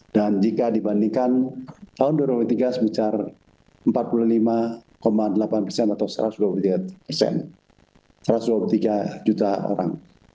dan jika dibandingkan tahun dua ribu dua puluh tiga sebesar empat puluh lima delapan atau satu ratus dua puluh tiga juta orang